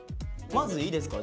まずいいですか？